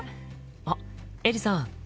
あっエリさん